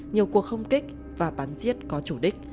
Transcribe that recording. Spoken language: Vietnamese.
nhiều cuộc không kích và bán giết có chủ đích